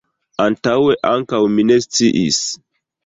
Antaŭe ankaŭ mi ne sciis.